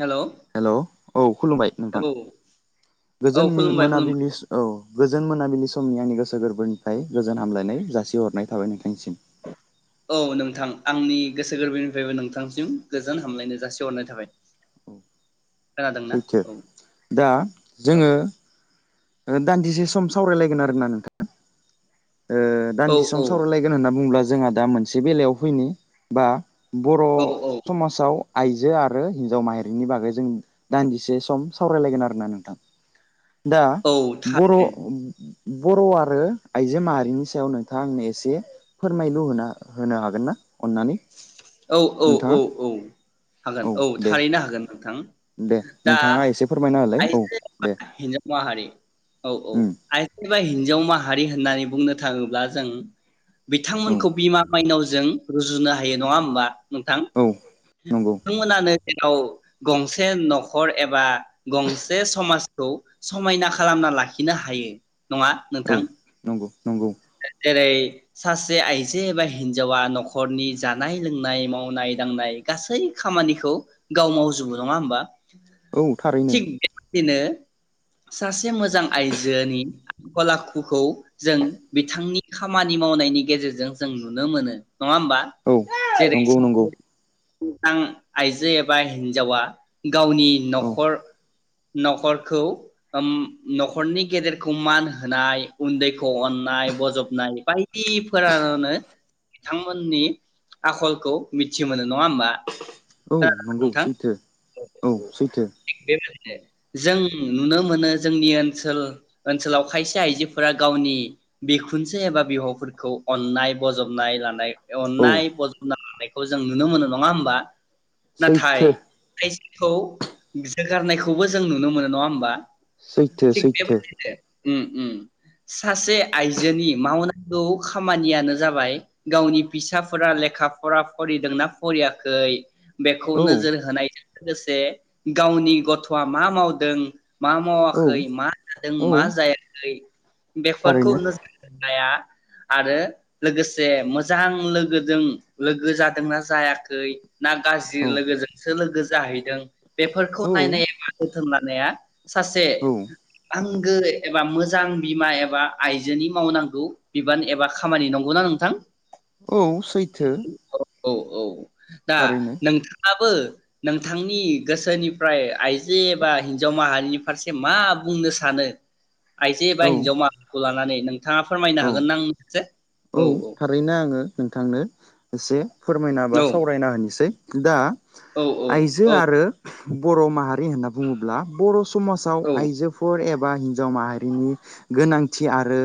Hello hello औ खुलुमबाय औ नोंथां औ गोजोन मिन खुलुमबाय खुलुमबाय मोनाबिस औ गोजोन मोनाबिलि असमियानि गोसो गोरबोनिफ्राय गोजोन हामलायनाय जासिहरनाय थाबाय नोंथांसिम औ नोंथां आंनि गोसो गोरबोनिफ्रायबो नोंथांसिम गोजोन हामलायनो जासिहरनाय थाबाय। खोनादोंना सैथो औ दा जोङो दान्दिसे सम सावरायलायगोन आरोना नोंथां औ दान्दिसे सम सावरायलायगोन होनना बुङोब्ला जोंहा दा मोनसे बेलायाव फैनि बा बर' औ औ समाजाव आइजो आरो हिनजाव माहारिनि बागै जों दान्दिसे सम सावरायलायगोन आरोना नोंथां दा औ बर' थारैनो बर' आरो आइजो माहारिनि सायाव नोंथाङा आंनो एसे फोरमायलु होना होनो हागोन ना? अननानै औ औ औ नोंथाङा औ हागोन औ थारैनो हागोन नोंथां दे दा नोंथाङा एसे फोरमायना होलाय औ आइजो एबा दे हिनजाव माहारि औ औ उम आयजो ए हिनजाव माहारि होननानै बुंनो थाङोब्ला जों औ बिथांमोनखौ बिमा माइनाव जों रुजुनो हा हायो नङा होमबा । नोंथां औ नंगौ नोंथमोनानो जाव गंसे न'खर एबा गंसे समाजखौ समायना खालामना लाखिनो हायो नङा औ नोंथां । नंगौ नंगौ। जेरै सासे आइजो एबा हिन्जावा न'खरनि जानाय लोंनाय मावनाय दांनाय गासै खामानिखौ गाव मावजोबो नङा होमबा । औ थारैनो। बिदिनो सासे मोजां आइजोनि आखल आखुखौ जों बिथांनि खामानि मावनायनि गेजेरजों जों नुनो मोनो । नङा होमबा औ जेरै नंगौ स नंगौ आइजो एबा हिन्जावा गावनि औ न'खर-न'खरखौ ओम न'खरनि गेदेरखौ मान होनाय उन्दैखौ अन नाय बजबनाय बायदिफोरानो बिथांमोननि आखलखौ मिथि मोनो नङा होमबा औ । नंगौ नोंथां सैथो औ सैथो बेबाय जों नुनो मोनो जोंनि ओनसोल ओनसोलाव खायसे आइजोफोरा गावनि बिखुनजो एबा बिहावफोरखौ अननाय बजबनाय लानाय औ अननाय बजबना लानायखौ जों नुनो मोनो नङा होमबा। नाथाय सैथो खाय खौ जोगारनायखौबो जों नुनो मोनो नङा होमबा? सैथो थिग सैथो बेबादिनो उम उम सासे आइजोनि मावनांगौ खामानियानो जाबाय गावनि फिसाफोरा लेखा फर फरायदोंना फरायाखै बेखौ औ नोजोर होनाय लोगोसे गावनि गथआ मा मावदों मा औ मावाखै मा जादों मा औ जायाखै बेफो खौ थारैनो नोजोर होनाया आरो लोगोसे मोजां लोगोजों लोगो जादोंना जायाखै ना गाज्रि औ लोगोजों सो लोगो जाहैदों बेफोरखौ औ नायनाय एबा जोथोन लानाया सासे औ आं गो एबा मोजां बिमा एबा आइजोनि मावनांगौ बिबान एबा खामानि नंगौनाा नोंथां? औ सैथो औ औ दा थारैनो नोंथाङाबो नोंथांनि गोसोनिफ्राय आइजो एबा हिनजाव माहारिनि फारसे मा बुंनो सानो? आइजो एबा औ हिनजाव मा लानानै थाङा फोरमायनो औ हागोन ना आंनो एसे औ थारैनो आङो नोंथांनो एसे फोरमायना बा औ सावरायना होनोसै दा औ आइजो औ आरो बर माहारि होनना बुङोब्ला बर समाजाव औ आइजोफोर ए बा हिनजाव माहारिनि गोनांथि आरो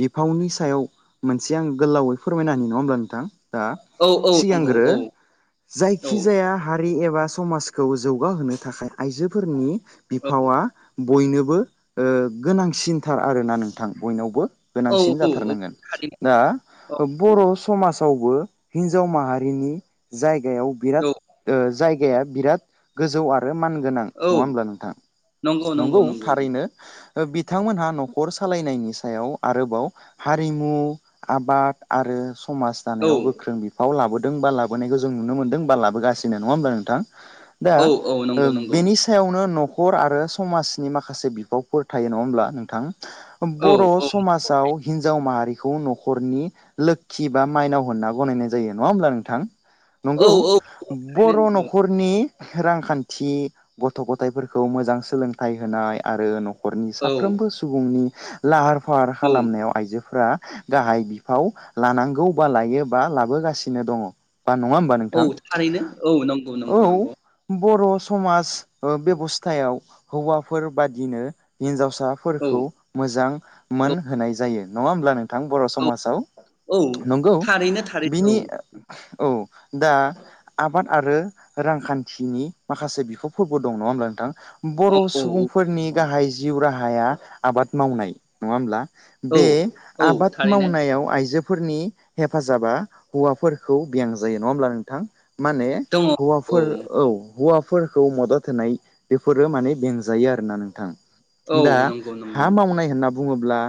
बिफावनि सायाव मोनसे आं गोलावै फोरमायना है नङा होमब्ला नोंथां दा औ औ नंगौ सिगांग्रो औ औ जायखि जाया हारि एबा समाजखौ जौगाहोनो थाखाय आइजोफोरनि बिफावा बयनोबो गोनांसिनथार आरोना नोंथां बयनावबो औ गोनांसिन औ औ जाथारनांगोन। थारैनो दा औ बर' औ समाज सावबो हिनजाव माहारिनि जाय जायगायाव बिराद औ जायगा गाया बिराद गोजौ आरो मानगोनां औ नङा होमब्ला नोंथां नंगौ थारैनो बिथांमोनहा नखर सालायनायनि सायाव आरोबाव हारिमु आबाद आरो समाज औ दानायाव गोख्रों बिफाव लाबोदों। दों बालाबोनायखौ जों नुनो मोनदों बा लाबोगासिनो नङा होमबा नोंथां। दा औ औ नंगौ नंगौ बेनि सायावनो न हर आरो समाजनि माखासे बिबावफोर थायो नङा होमब्ला नोंथां। औ बर' औ समाजाव हिन्जाव माहारि [unintelligible] नखरनि लोखि बा माइनाव होनना गनायनाय जायो नङा होमब्ला नोंथां। औ नंगौ औ बर थारैनो नख'रनि रांखान्थि गथ गथायइफोरखौ मोजां सोलोंथाइ होनाय आरो नख- खरनि औ साफ्रोमबो सुबुंनि लाहार फाहार औ खालामनायाव आइजोफोरा गाहाय बिफाव लानांगौ बा लायोबा लाबोगासिनो दङ। बा नङा होमबा औ नोंथां थारैनो औ नंगौ औ नंगौ नंगौ बर' थमाज बेबस्थायाव हौवाफोर बादिनो हिनजाव- औ साफोरखौ मोजां मोन औ होनाय जायो। नङा उमब्ला नों थां बर औ समाजाव औ नंगौ थारैनो थारैनो बिनि औ दा आबाद आरो रांखान्थिनि माखासे बिफाव फोरबो दं नङा होमब्ला नोंथां। बर औ औ सुबुंफोरनि गाहाइ जिउ राहा आया आबाद मावनाय नङा होमब्ला? औ बे औ आबाद थारैनो मावनायाव आइ जोफोरनि हेफाजाबा हौवाफोरखौ बियां जायो नङा होमब्ला नोंथां माने दङ औ हौवाफोर औ हौवा फोरखौ मदद होनाय बेफोरो माने बेंजायो आरोना नोंथां औ दा नंगौ नंगौ हा नंगौ मावनाय होनना बुङोब्ला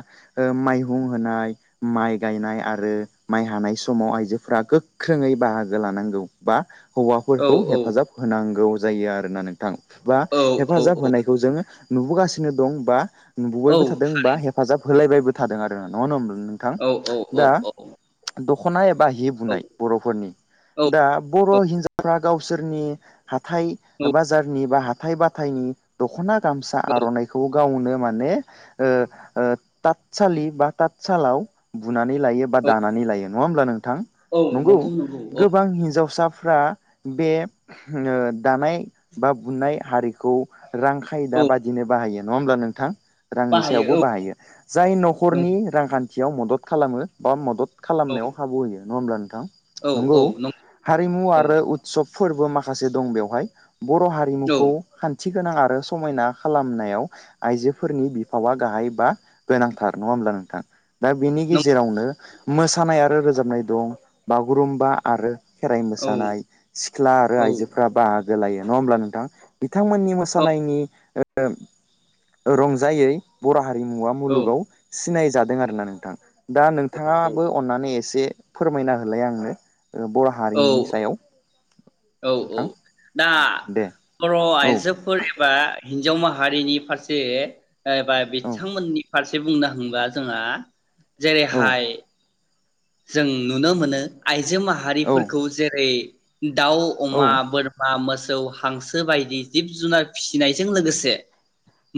ओ माइ बुं होनाय माइ गायनाय आरो माइ हानाय समाव आइजोफोरा गोख्रोङै बाहागो लानांगौ बा औ हौवाफोरखौ औ हेफाजाब होनांगौ जायो आरोना नोंथां बा औ औ हेफाजाब होनायखौ जोङो नुबोगासिनो नो दं बा नुबोबायबो थादों बा हेफाजाब होलायबायबो थादों आ नावनो [unintelligible] नोंथां औ औ दा दक- खनाय बा हि औ बुनाय बरफोरनि औ दा बर हिनजावफ्रा बा गावसोरनि हाथाय बाजारनि बा हा थाय बाथायनि दखना गामसा आरनाइखौ गावनो माने ओ ओ थाथसालि बा थाथ सालाव बु नानै लायो बा दानानै लायो। नङा होमब्ला नों थां नंगौ गोबां हिनजावसा फ्रा बे ओ दानाय बा बुनाय हारिखौ रां खायदा औ बादिनो बाहायो। नङा होमब्ला नोंथां रांनि सायावबो बाहायो जाय नख नंगौ खरनि रांखान थियाव मदद खालामो बा मदद औ खालामनायाव खाबु होयो। नङा होमब्ला नोंथां औ नंगौ औ हारिमु नंगौ आरो उत्सब फोरबो माखासे दं बेवहाय बर' औ हारिमुखौ खान थि गोनां आरो समायना खालामनायाव आइजोफोरनि बिफावा गाहाय बा गोनांथार। नङा होमब्ला नोंथां? दा बेनि नंगौ गेजेरावनो मोसानाय आरो रोजाबनाय दं बागुरुम्बा आरो खेराइ मोसानाय सिख्ला आरो औ औ आइजोफोरा बाहा गो लायो नङा होमब्ला नोंथां? बिथांमोननि औ मोसानायनि ओ ओ रंजायै बर' हारिमुवा औ मुलुगाव सिनाय जादों आरोना नोंथां दा औ नोंथाङाबो अननानै एसे फोरमायना होलाय आंनो। ओ बर' हारिमुनि औ सायाव। औ औ नोंथां दा दे बर' औ आइजोफोर एबा हिन्जाव माहारिनि फारसे एबा औ बिथांमोननि फारसे बुंनो थांबा जोंहा औ जेरैहाय जों नुनो मोनो आइजो। आइजो औ माहारिफोरखौ जेरै। दाउ, अमा, बोरमा, मोसौ, हांसो बायदि जिब जुनार फिसिनायजों लोगोसे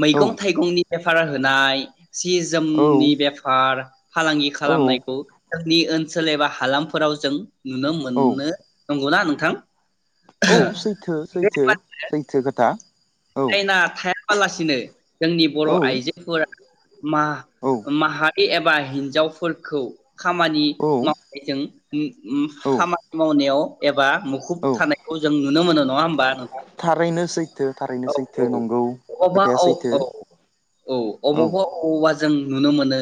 मैगं थाइगंनि। बेफार होनाय सि जोमनि औ बेफार फालांगि औ खालामनायखौ जोंनि ओनसोल एबा हालामफोराव जों नुनो औ मोननो नंगौना नोंथां। औ सैथो सैथो सैथो खोथा। औ थायो ना थाया । फालासिनो जोंनि बर' औ आइजोफोरा माह माहारि। एबा हिन्जावफोरखौ। खामानि औ मावनायजों। ए उम औ खामानि मावनायाव एबा मुखुब औ थानायखौ जों नुनो मोनो नङा होमबा नोंथां? थारैनो सैथो थारैनो औ सैथो औ नंगौ अबावबा खोथाया औ सैथो औ औ औ अबावबा अबावबा जों नुनो मोनो।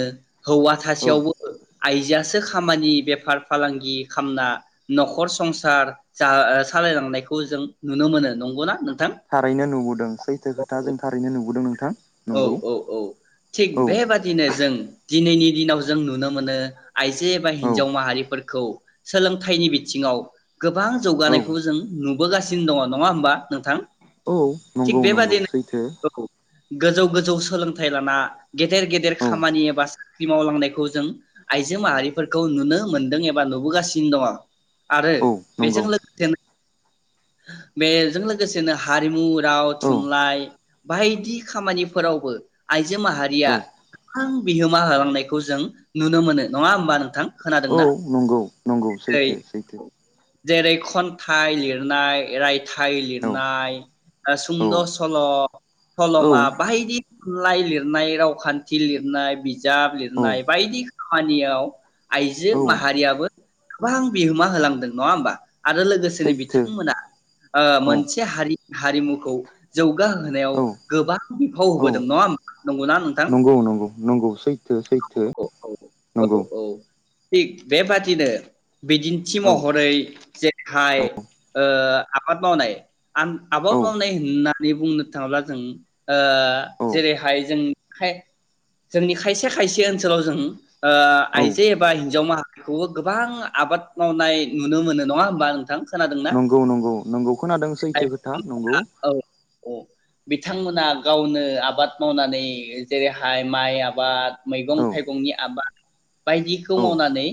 हौवा औ थासेआवबो आइजोआसो खामानि बेफार फालांगि खामना नखर संसार जा ओ सालायलांनायखौ जों नुनो मोनो नंगौना नों थारैनो नुबोदों सैथो खोथा जों थारैनो नुबोदों नोंथां औ नंगौ औ औ थिग औ बेबादिनो जों दिनैनि दिनाव जों नुनो मोनो आइजो एबा औ हिन्जाव माहारिफोरखौ सोलोंथाइनि बिथिङाव गोबां औ जौगानायखौ जों नुबोगासिनो दङ नङा होमबा नोंथां? औ थिग नंगौ नंगौ बेबादिनो सैथो औ गोजौ गोजौ सोलोंथाइ लाना गेदेर गेदेर औ खामानि एबा साख्रि मावलांनायखौ जों आइजो माहारिफोरखौ नुनो मोनदों एबा नुबोगासिनो दङ आरो औ बेजों नंगौ लोगोसेनो बेजों लोगोसेनो हारिमु राव औ थुनलाइ बायदि खामानिफोरावबो आइजो माहारिया औ गोबां बिहोमा होलांनायखौ जों नुनो मोनो नङा होमबा नोंथां? औ खोनादोंना? नंगौ नंगौ सैथो सैथो। न्थाय लिरनाय, रायथाय औ लिरनाय, सुंद सल' औ सलमा औ बाहायदि थुनलाइ लिरनाय, रावखान्थि लिरनाय, बिजाब औ लिरनाय बायदि खामानियाव आइजो औ माहारियाबो गोबां बिहोमा होलांदों। नङा होमबा? आरो लोगोसेनो सैथो बिथांमोना ओ औ मोनसे हारि हारिमुखौ जौगा होनायाव औ गोबां बिफाव औ होबोदों नङा होमबा? नंगौना नोंथां? नंगौ नंगौ नंगौ सैथो औ सैथो औ औ नंगौ औ थिग बेबादिनो बिदिन्थि औ महरै जेरहाय औ ओ आबाद मावनाय आन औ आबाद मावनाय होननानै बुंनो थाङोब्ला जों ओ औ जेरैहाय जों खाय जोंनि खायसे खायसे ओनसोलाव जों ओ औ आइजो एबा हिन्जाव माहारिखौबो गोबां आबाद मावनाय नुनो मोनो। नङा होमबा नोंथां? खोनादोंना नंगौ नंगौ नंगौ खोनादों सैथो खोथा नंगौ औ [unintelligible] बिथांमोना गावनो आबाद मावनानै जेरैहाय माइ आबाद मैगं औ थाइगंनि आबाद, बायदिखौ औ मावनानै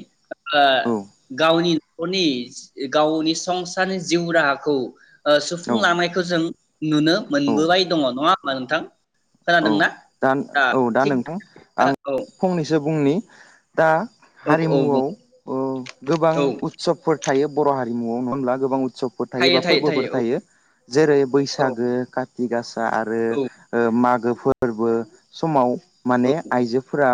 ओ औ गावनि नखरनि गावनि संसारनि जिउ राहाखौ ओ औ सुफुंलांनायखौ जों नुनो औ मोनबोबाय । दङ नङा होमबा नोंथां औ खोनादों ना? दा औ दा नोंथां आं औ फंनैसो बुंनि। दा औ औ बुं हारिमुआव ओ गोबां औ उत्सबफोर था थायो बर हारिमुआव नङा होनब्ला गोबां उत्सबफोर थायो बा फोरबोफोर थायो जेरै औ बैसागो काथि गासा आरो औ ओ मागो फोरबो समाव। माने औ आइजोफोरा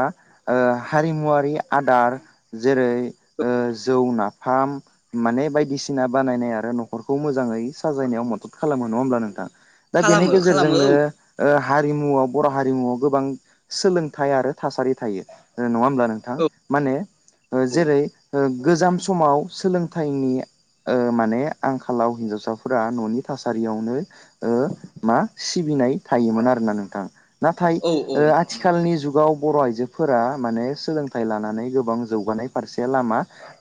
ओ हारिमुवारि आदार जेरै औ ओ जौ ना फार्म माने बायदिसिना बानायनाय आरो नखरखौ मोजाङै साजायनायाव मदद खालामो नङा होमब्ला नोंथां? दा बेनि खालामो खालामो गेजेरजोंनो औ ओ हारिमुआव बर हारिमुआव गोबां सोलोंथाइ आरो थासारि थायो ओ नङा अब्ला नोंथां औ माने ओ जैरै ओह गोजाम समाव सोलोंथाइनि ओ माने आंखालाव हिन्जावसाफोरा ननि थासारियावनो ओ मा सिबिनाय थायोमोन आरोना नोंथां। नाथाय औ औ ओ नंगौ नंगौ आथिखालनि जुगाव। बर आइजोफोरा माने सोलोंथाइ लानानै गोबां जौगानाय फारसे लामा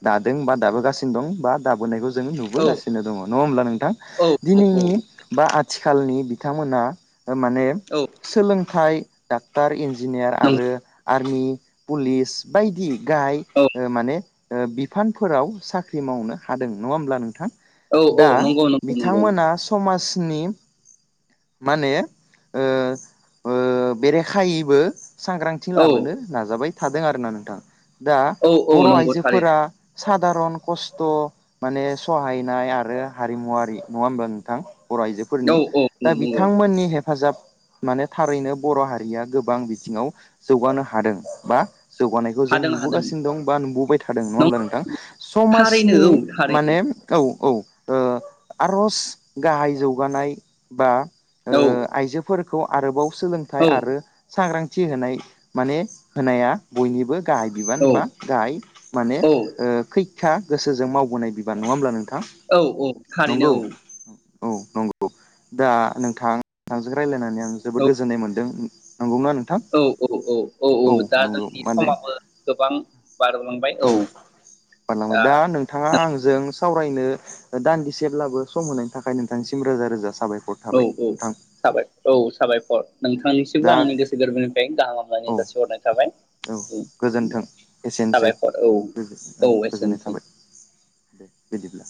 दादों बा दाबोगासिनो दं बा दाबोनायखौ जों औ नुबोगासिनो दङ नङा होमब्ला नोंथां औ औ औ दिनैनि नंगौ बा आथिखालनि बिथांमोना माने सोलों थाइ डाक्टार इन्जि नियार आरो आर्मि पुलिस बायदि। गाहाय माने बि बिफानफोराव साख्रि मावनो हादों नङा होमब्ला नोंथां? औ औ दा नंगौ नंगौ नंगौ बिथांमोना नंगौ समाज माने माने ओ ओ बेरेखायैबो सांग्रांथि औ लाबोनो नाजाबाय। थादों आरो ना नोंथां। दा औ औ बर नंगौ आइजोफोरा। थारैनो सादारन खस्थ माने सहायनाय आरो हारिमुवरारि नङा होमबा नोंथां। बर आइजोफोरनि औ दा नंगौ बिथांमोननि हेफाजाब माने थारैनो बर हारिया गोबां बिथिङाव जौगानो हादों बा जौगानायखौ जों हादों हादों नुबोगासिनो दं बा नुबोबाय थादों नङा होमब्ला नंगौ नोंथां थारैनो समाजनि औ माने थारैनो औ औ। ओ आरज गाहाय जौगानाय बा ओ औ आइजोफोर आरोबाव सोलोंथाइ औ आरो सांग्रां थिहोनाय माने होनाया बयनिबो गाहाय औ बिबान बा गाहाय माने औ ओ खै बिखा गोसोजों मावबोन बिबान नङा होनब्ला नोंथां। औ औ थारैनो नंगौ औ। औ नंगौ दा नोंथां जों रायज्लायनानै आं जोबोद औ गोजोननाय मोन्दों। औ औ औ औ औ दा नंगौ जोंनि माने समाबो गोबां बारगलांबाय औ बारलांबाय दा नोंथाङा आंजों सावरायनो दान्दिसेब्लाबो सम होनायनि थाखाय नोंथांनिसिम रोजा रोजा सा औ औ साबाय औ सा साबायखर दे नोंथांनिसिमबो दा आंनि गोसो गोरबोनिफ्राय गाहाम हामलायनाय औ जासिहरनाय थाबायाबर औ औ गोजोन्थों एसेनोसै साबायखर औ गोजोन औ गोजोननाय एसेनोसै। थाबाय दे बिदिब्ला।